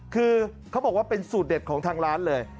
คือเขาบอกว่าเป็นสูตรเด็ดของทางร้านเลย